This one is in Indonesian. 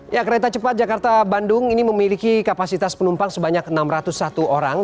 ya kereta cepat jakarta bandung ini memiliki kapasitas penumpang sebanyak enam ratus satu orang